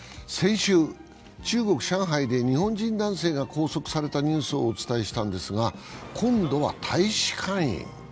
先週、中国・上海で日本人男性が拘束されたニュースをお伝えしたんですが、今度は大使館員。